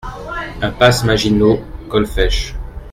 Impasse Maginot, Golfech